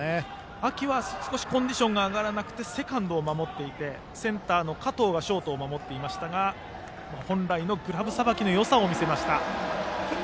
秋は、少しコンディションが上がらなくてセカンドを守っていてセンターの加統がショートを守っていましたが本来のグラブさばきのよさを見せました。